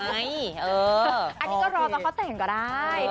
อันนี้ก็รอตอนเขาแต่งก็ได้